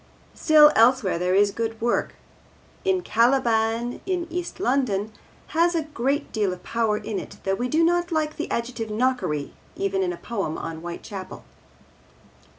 Still, elsewhere there is good work, and Caliban in East London has a great deal of power in it, though we do not like the adjective 'knockery' even in a poem on Whitechapel.